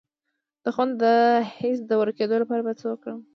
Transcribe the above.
د خوند د حس د ورکیدو لپاره باید څه وکړم؟